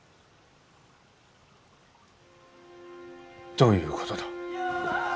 どういうことだ？